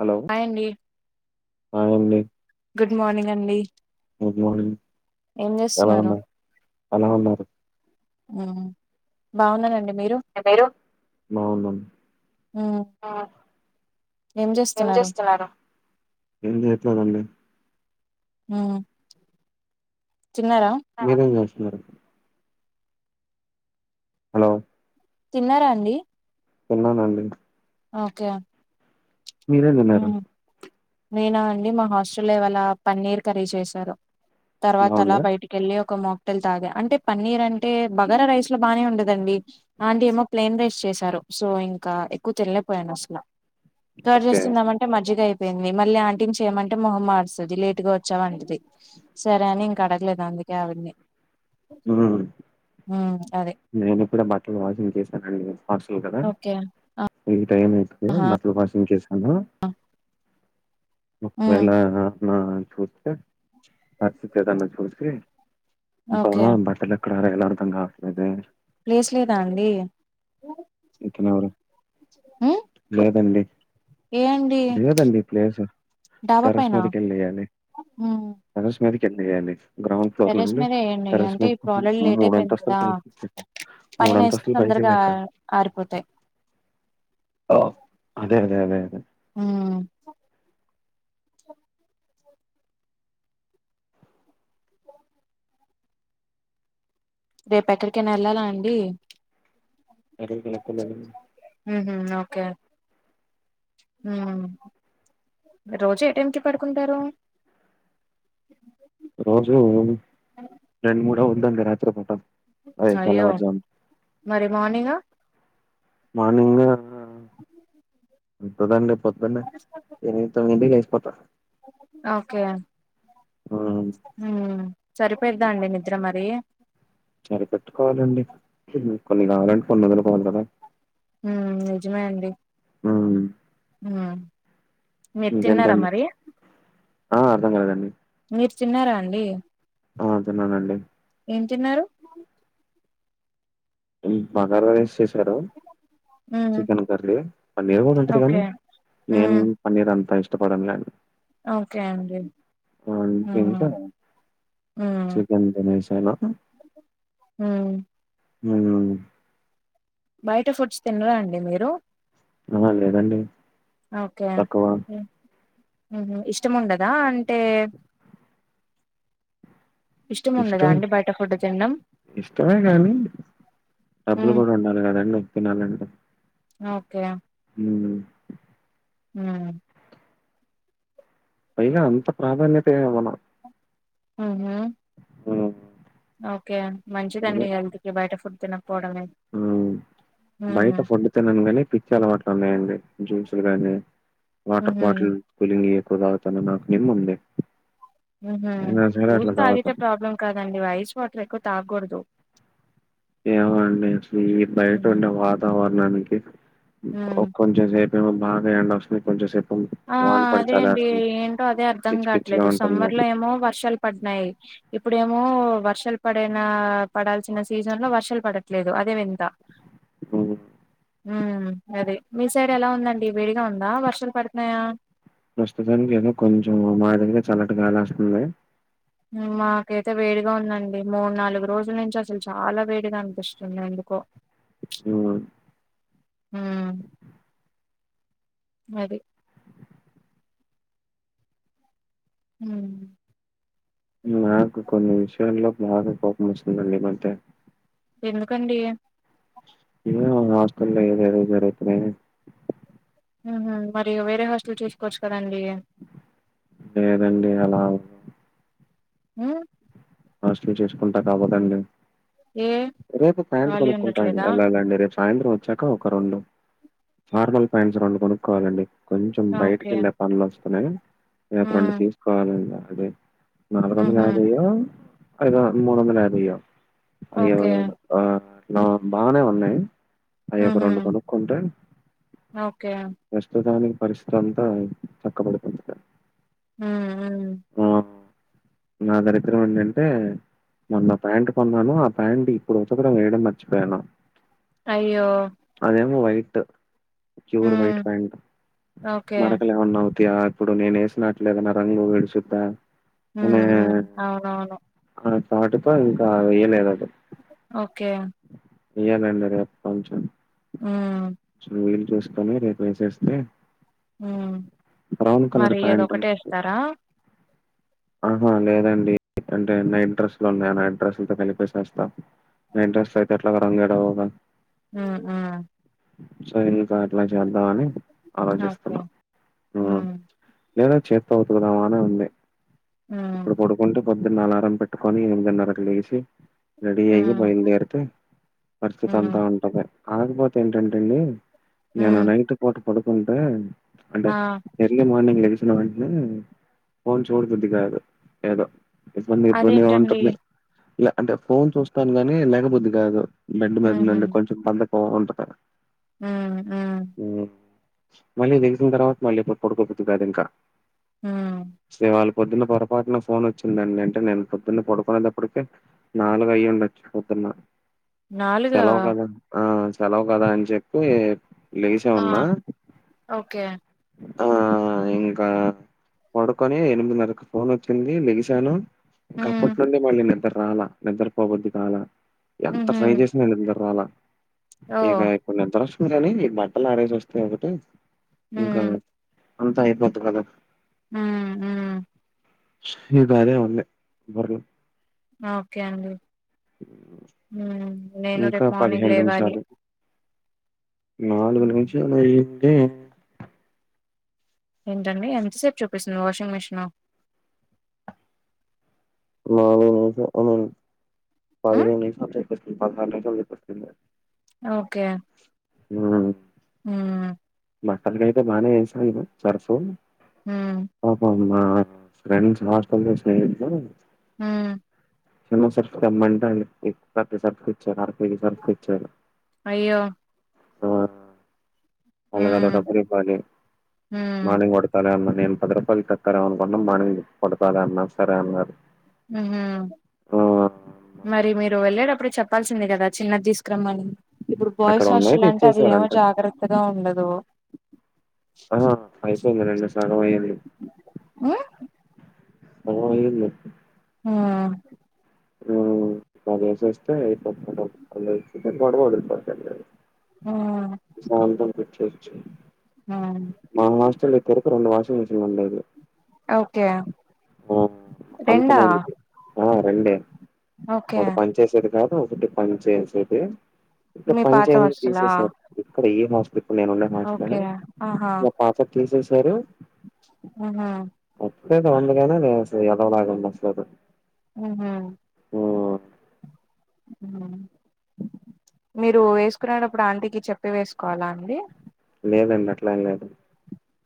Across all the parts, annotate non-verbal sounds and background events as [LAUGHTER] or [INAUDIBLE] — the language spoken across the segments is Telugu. హలో హాయ్ అండి హాయ్ అండి గుడ్ మార్నింగ్ అండి గుడ్ మార్నింగ్ ఏం ఎలా చేస్తున్నారు ఉన్నారు ఎలా ఉన్నార్ మ్ బాగుందండి మీరు మ్మ్. ఆ ఏం చేస్తున్నారు ఏం చేయట్లేదండి హ్మ్ తిన్నారా మీరేం చేస్తున్నారు హలో తిన్నారా అండి తిన్నానండి ఓకే మీరేం తిన్నారు హ్మ్ నేనా అండి మా హాస్టల్లో ఇవాళ పన్నీర్ కర్రీ చేశారు తర్వాత అలా బాగుందా బయటికి వెళ్ళి ఒక మోక్ టైల్ తాగా అంటే పన్నీర్ అంటే బగారా రైస్ లో బానే ఉండదండి అలాంటే ఏమో ప్లేయిన్ రైస్ చేసారు సో ఇంకా ఎక్కువ తెనలేకపోయాను అసలు కర్డ్ రైస్ ఓకే మంటే మజ్జిగా అయిపోయింది మళ్ళీ ఆంటీని చేయమంటే మొహం మారుస్తుంది లేటుగా వచ్చా అంటది సరే అని ఇంక అడగలేదు అందుకే అవి ఉమ్ ఆ అదే నేనప్పుడే బట్టలు వాషింగ్ చేశానండి పార్సల్ కదా ఓకే ఇంత టైం అవుతుంది ఆహా బట్టలు వాషింగ్ చేసాను హ్మ్ ఒకవేళ ఆ హా చూసి అస్తుదన్న చూసి బా ఓకే బట్టల ఎక్కడ ఆరేయాల అర్థం కావటం లేదు హ్మ్ ప్లేస్ లేదా అండి ఇతనెవరు ఉమ్ లేేదండి లేదండి ప్లేస్ డాబా టెర్రస్ పైన? మీదకి వెళ్ళి వెయ్యాలి హ్మ్ టెర్రస్ మీదకి వెళ్లి వెయ్యాలి గ్రౌండ్ ఫ్లోర్ టెర్రస్ నుండి మీద ఏయండి టెర్రస్ అంటే ఇప్పుడు మీదకి ఆల్రెడీ లేట్ అయిపోయింది మూడంతస్తులు కదా! పైకి వెళ్ళాలి మూడు పైన ఏస్తే అంతస్తులు పైకి తొందరగా వెళ్ళి ఎక్కాలి ఆరిపోతాయి ఓహ్ అదే అదే అదే అదే హ్మ్ రేపు ఎక్కడికైనా వెళ్ళాలా అండి ఎక్కడికెళ్ళాను? హ్మ్ హు ఓకే హ్మ్ రోజు ఏ టైం కి పడుకుంటారు రోజు రెండు మూడు అవుతుందంట రాత్రిపూట అయ్యో మరి మార్నింగ్ ఆ మార్నింగ్ తప్పదండి పొద్దున్నే ఎనిమిది తొమ్మిది కే లేసిపోతా ఓకే మ్మ్ హ్మ్ సరిపోయిద్దా అండి నిద్ర మరి సరిపెట్టుకోవాలండి కొన్ని కావాలంటే కొన్ని వదులుకోవాలి కదా హ్మ్ నిజమే అండి ఉమ్ హ్మ్ మీరు తిన్నారా ఇంకేంటండి మరి? ఆ అర్థం కాలేదండి మీరు తిన్నారా అండి ఆ తిన్నానండి ఏం తిన్నారు ఉమ్ బగార రైస్ చేసారు. ఉమ్ చికెన్ కర్రీ పన్నీర్ గూడొండిర్రు గానీ ఓకే నేను ఉమ్ పన్నీరంతా ఇష్టపడన్లేండి ఓకే అండి ఆ ఉమ్ తింటను. చికెన్తెనాసాను ఊ ఊ బయట ఫుడ్స్ తిన్రాండి మీరు? అహ లేదండీ ఓకే అండీ ఉహు ఇష్టముండదా? అంటే ఉండదా ఇష్టం. అండి బయట ఫుడ్ తినడం ఇష్టమే కానీ డబ్బుల్ ఉమ్ గూడా ఉండ్ [UNINTELLIGIBLE] ఓకే. ఊ ఊ అయినా అంత ప్రాధాన్యత ఏమివ్వను. ఊహూ ఉ ఓకే అండ్ మంచిదండి హెల్త్ కి బయట ఫుడ్తినకపోవడమే. ఉమ్ బయట ఫుడ్ తినన్గాని పిచ్చలవాట్లున్నాయండి జూసులు గానీ, వాటర్ ఉహు బాటిల్ కూలింగి ఎక్కువ తాగుతను నాకు నిమ్ముంది. అహ అయినా సరే జ్యూస్ అట్లా తాగుతా. తాగితే ప్రాబ్లం కాదండి వఐస్ వాటరెక్కువ తాగ్గూడదు. ఏవోఅండి అసలు ఈ బయటుండే వాతావరణానికి ఉమ్ చం సేపేమో బాగా ఎండొస్తది కొంచెం సేప్ ఆ అ అదే అండీ ఏంటో అదే అర్ధం పిచ్చి పిచ్చిగా గాట్లేదు. ఉంటుంది సమ్మర్లో ఏమో వర్షాల్ పడ్నాయి. ఇప్పుడేమో వర్షాల్పడేనా పడాల్సిన సీజన్ లో వర్షాల్ పడట్లేదు. అదే వింత. ఊహూ ఆ అదే. మీ సైడెలా ఉందండి వేడిగా ఉందా? వర్షాల్ పడుతున్నాయా? ప్రస్తుతానికైతే కొంచెం ఓ మాదిరిగ చల్లటిగాలేస్తుంది. మాకైతే వేడిగా ఉందండి. మూడ్నాలుగు రోజుల్నుంచసలు చాలా వేడిగా అనిపిస్తుంది ఎందుకో. [UNINTELLIGIBLE] ఊ ఉ‌ మొదట్ ఉమ్ నాకు కొన్ని విషయాల్లో బాగా కోపం వస్తుందండి ఈ మధ్య ఎందుకండీ అ ఏవేమో హాస్టల్లో ఏదేదో జరుగుతున్నాయని. ఆహా మరీ వేరే హాస్టల్ చూసుకోవచ్చు కదండీ! లేదండి అలా అ హాస్టల్ చేసుకుంటాకవదండి ఏ రేపు పాయింటు ఖాళీ కొనుక్కుంటాండి ఉండట్లేదా ఎల్లాలండి రేపు సాయంత్రం వ చక ఒక రొండు నార్మల్ పాయింట్స్ రొండు గొనుక్కోవాలండి కొంచెం ఓకే బయటికెళ్ళే పన్లొస్తున్నాయ్. రేపు రెండు ఉమ్ తీసుకోవాలండ్ అదె నాలుగొందల ఉహు యాభయ్యో ఐదు వొ మూడొందల యాభయ్యో ఐయ్యవ ఓకే ఆ నా బానే ఉన్నాయి అయ్యొ ఒక హుహు. రెండు కొనుక్కుంటె ఓకే. ప్రష్టదానికి పరిష్కర్ అంతా చక్కబడిపోతుంది ఆ ఆ నా దరిద్రం ఏంటంటే మొన్న ప్యాంట్ కొన్నాను ఆ ప్యాంట్ ఇప్పుడు ఉతకడం వేయడం మర్చిపోయాను అయ్యో అదేమో వైట్ క్యూర్ హ్మ్. White pant okay. మరకలు ఏమన్నా అవుతయా ఇప్పుడు నేను వేసినట్లే ఏదన్నా రంగు విడుచుదా ఉ ఉ అవునవును ఆ చాటుతో ఇంకా వెేయ్యలేదు అటు ఓకే ఇ్యాలండి రేపు కొంచెం హ్మ్. వీలు చూస్ కొని రేప్ ఏసేస్తే ఉ కలర్ మరి అది ప్యాంటు ఒకటే ఏస్తారా ఆహా లేదండి అంటే ఇంగా ఇంట్రెస్ట్ లు ఉన్నాయి నా ఇంట్రెస్ట్లతో కలిపి ఏసేస్తా నా ఇంట్రెస్ట్ అయితే ఎట్లాగో రంగేడావుగా ఆ ఆ సో ఇంకా అట్లా చేద్దామని ఓకే. ఆలోచిస్తున్నా ఉ హ్మ్. లేదా చేత్తో ఉతుకుదాం అని ఉంది ఆ ఇప్పుడు పడుకుంటే పొద్దున్న అలారం పెట్టుకొని ఎనిమిదిన్నరకు లేసి రెడీ అయి హ్మ్. బయలుదేరితే పరిస్థితి హ్మ్. అంతా ఉంటది ఆకపోతే ఏంటంటేండి ఏను హ్మ్. నైట్ పోటు పడుకుంటే అంటే ఆ! ఎర్లీయ మార్నింగ్ లెగిసినా వెంటేనే చూడు బుద్ధి కాదు ఏదో ఇబ్బంది ఇబ్బంది గా అదేంటండి? ఉంటుదింది ఇలా అంటే ఫోన్ చూస్తాను గానీ లేకబుద్ది గాదు బెడ్ మీద హుహు. నుండి కొంచెం బాధకం ఉంటది ఉ ఉ ఉ మాళ్ళీ లేగిసిన్ తర్వాత మళ్ళీ ప పడుకోపోది కాదు ఇంకా ఆ శ్రే వాళ్ళ పొద్దున్న పొరపాటున ఫోన్ వచ్చిందండి అంటే నేను పొద్దున్న పడుకునేదప్పడుకే నాలుగు అయ్యుండొచ్చు పొద్దున సెలవు కదా ఆ సెలవు కదా అని చెప్పి లేసే ఆ! ఉన్నా ఓకే ఆ ఇంకా పడుకొని ఎనిమిదిన్నరకి ఫోన్ వచ్చింది లేగిశను ఇంకా హ్మ్. అప్పటి నుండి మళ్ళీ నిద్ర రాలా నిద్ర పోబద్ది కాలా ఎంత హుహు. ట్రై చేసిన నిద్ర రాలా ఓహ్! ఏకా ఇప్పుడు నిద్ర ఓస్తుంది గానీ బట్టలు ఆరేసి వస్తే ఒగటి ఇంకా హ్మ్. అంతా అయిపోది కదా ఉ ఉ ఇంకా అదే ఉంది బుల్లో ఓకే అండి ఉ నేను ఇంకా రేప్ మార్నింగ్ పదిహేను లేవాలి నిమిషాలు నాలుగు నిమిషలు అయింది ఏంటండి ఎంతసేపు చూపిస్తుంది వాషింగ్ మిషను నాలుగు నిమిషాలు ఉండండి హ్మ్ పదిహేను నిమిషాలు చూపిస్తుంది పదహైదు నిమిషాలు చూపిస్తుంది ఓకే ఉమ్మ్ ఉ మాఅక్కలకైతే బానే ఎస్తన్నారు సరసు హుమ్మ్ పాపమ్ మా ఫ్రెండ్స్ హాస్టల్లో స్నేహితులు హుమ్మ్ చిన్న సర్ఫ్ తెమ్మంటే ఆళ్లు పెద్ద సర్ఫ్ తెచ్చారు అరకేజీ సర్ఫ్ తెచ్చారు అయ్యో మల్లగద హ్మ్. డబ్బుల్లివ్వలి హ్మ్. మార్నింగ్ వాడు సరే అన్న నేను పది రూపాయలు కక్కార అనుకున్నా మార్నింగ్ కొడుతాలే అన్నా సరే అన్నారు ఊహుం ఆ మరి మీరు వెళ్ళేటప్పుడు చెప్పాల్సింది కదా చిన్నది తీసుకురమ్మని ఇప్పుడు అక్కడ బోయిస్ ఉన్నాయి హస్టల్ అంటే అది ఏమో తెచ్చేసారంట జాగ్రత్తగా ఉండదు ఆ అయిపోయింది నిన్న సగం అయ్యింది హ్మ్. అగో ఈ ఇల్లు ఉమ్ ఉమ్మ్ వాడు ఏసేస్తే ఐపోతాదీ డబ్బులైతే గొడవ వదిలి పోతాది హ్మ్. ప్రశాంతంగా కూర్చోవచ్చు ఉమ్మ్ మా హాస్టల్ ఒక్కరుకు రెండు వాషింగ్ మిషన్లు ఉండేది ఓకే ఆ అంత రెండా? మందికి ఆ రెండే ఓకే ఇచ్చేసేది కాదు ఒకటి పని చేసేదే ఇట్లా మీ పని పాత చేయంది హాస్టలా? తీసేసారు ఇక్కడ ఏం హౌస్ చెప్పు నేను ఉన్నే మార్ట్ కాడ ఓకే. ఆహా! ఒక ఆఫర్ తీసేసారు హుహు. అప్పుడేమో అందిగానే నేను అసలు ఎదవలాగా మనసులో పెట్టుకొని ఊహుమ్ ఉమ్మ్ మీరు వేసుకునేటప్పుడు ఆంటీకి చెప్పి వేసుకోవాలా అండి లేదండి అట్లాం ఎం లేదు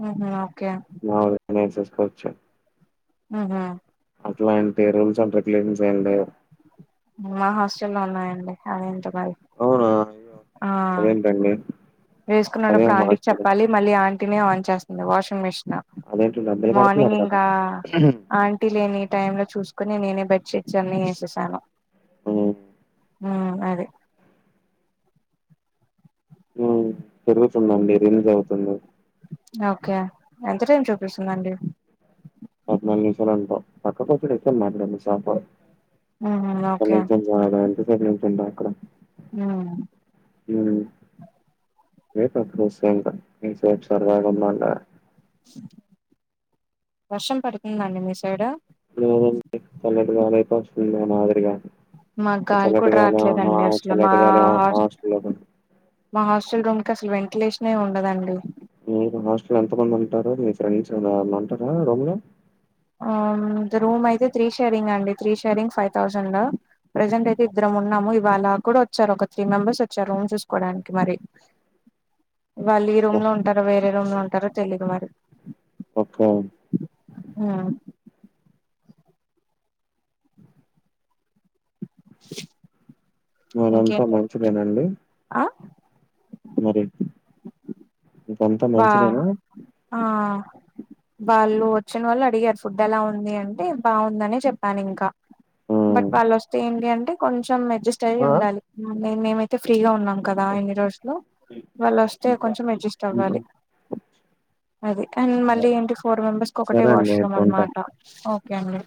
వుహుమ్ ఓకే మావూలుగానే చేసుకోవచ్చు ఊహుం అట్లా అంటే రూల్స్ అండ్ రెగ్యులేషన్స్ ఏంటి మా హాస్టల్ల్లో ఉన్నాయండి అవి ఇంత కాయ్ అవునా అయ్యో అదేంటండి అదేం వేసుకునేటప్పుడు ఆంటీకి హాస్టలు. చెప్పాలి మళ్ళీ ఆంటీనే ఆన్ చేస్తుంది వాషింగ్ మిషిన్ అదేం టండి అందురూ కడుతున్నారు కదా ఆంటీ లేని టై లో చూసుకుని నేనే బెడ్షీట్ అని చేేసేసాను హ్మ్. ఉ అదే పెరుగుతుందండి రిలీజ్ అవుతుంది ఓకే ఎంత టైం చూపిస్తుందండి పద్నాలుగు నిమిషాలాలు అంటవ్ పక్కకొచ్చి రిటర్న్ మాట్లాడు అన్నిసార్లు ఊహుం ఓకే వాడు అంటిపోయి నించుండ అక్కడ ఆ మ్మ్ వెయిట్ ఎక్కువ వస్తాయంట [UNINTELLIGIBLE] వర్షం పడుతుంద అండి మీ సైడ్ లేదండి చల్లటి గాలైతే వస్తుంది నా మాదిరిగా మాకు గాలి కూడా చల్లటిగాలి ఆహా రావట్లేదండి అసలు మా చల్లటిగాలి ఆహా చల్లగా మా హాస్టల్ రూమ్ కి అసలు వెంటిలేషన్ ఏ ఉండదండి మ్మ్ ఇప్పుడు హాస్టల్ ఎంత మంది ఉంటారు మీ ఫ్రెండ్స్ అంటారా రూమ్ లో ఆ మ్మ్ రూమ్ అయితే త్రీ షేరింగ్ అండి three sharing five thousand present అయితే ఇద్దరం ఉన్నాము ఇవాళ కూడా వచ్చారు ఒక త్రీ మెంబర్స్ వచ్చారు రూమ్ చూసుకోవడానికి మరి వాళ్ళు ఈ ఓ రూమ్ లో ఉంటారో వేరే రూమ్ లో ఉంటారో తెలీదు మరి ఓకే ఆ మరి అంత ఇంకేంటండి మంచిదేనా అండి ఆ మరి ఇంక అంత వా మంచిదేనా ఆ వాళ్ళు వచ్చిన వాళ్ళు అడిగారు ఫుడ్ ఎలా ఉంది అంటే బాగుందనే చెప్పాను ఇంకా ఆ! బట్ వాళ్ళు వస్తే ఏంటి అంటే కొంచెం అడ్జస్ట్ అయ్యి ఆ? ఉండాలి మే మేమైతే ఫ్రీగా ఉన్నాం కదా ఆ! ఇన్ని రోజులు వాళ్ళు వస్తే కొంచెం అడ్జస్ట్ అవ్వాలి అది అండ్ మళ్ళీ ఏంటి ఫోర్ మెంబెర్స్ ఒకటే సరే అండి. వాష్రూమ్ అయితే ఉంటా. అనమాట ఓకే అండి